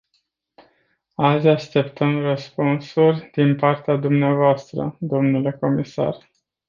Azi așteptăm răspunsuri din partea dvs., dle comisar.